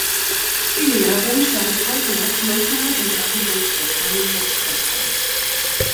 Die Lehrerin startet heute noch manchmal im Drachenboot des Kanu Clubs Potsdam.